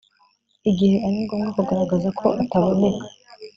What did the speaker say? igihe ari ngombwa kugaragaza ko ataboneka